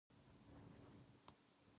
空腹